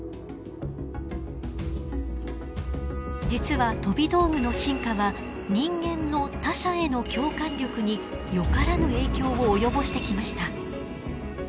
実は飛び道具の進化は人間の他者への共感力によからぬ影響を及ぼしてきました。